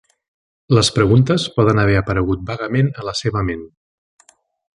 Les preguntes poden haver aparegut vagament a la sema ment.